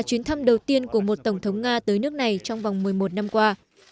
chuyến thăm đầu tiên của một tổng thống nga tới nước này trong vòng một mươi một năm qua